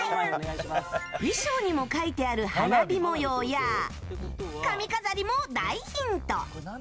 衣装にも描いてある花火模様や髪飾りも大ヒント！